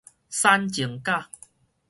產前假